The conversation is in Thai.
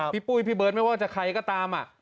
ปุ้ยพี่เบิร์ตไม่ว่าจะใครก็ตาม